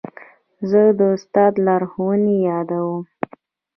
زه د استاد لارښوونې یادوم.